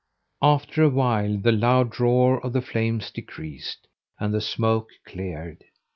After a while the loud roar of the flames decreased, and the smoke cleared.